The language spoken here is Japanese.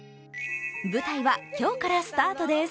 舞台は今日からスタートです。